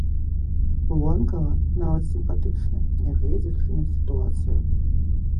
Вонкава нават сімпатычныя, нягледзячы на сітуацыю.